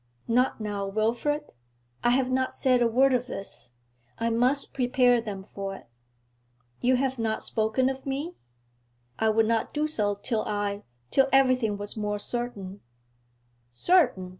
'Not now, Wilfrid. I have not said a word of this; I must prepare them for it.' 'You have not spoken of me?' 'I would not do so till I till everything was more certain.' 'Certain!'